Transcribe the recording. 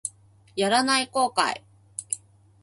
やらない後悔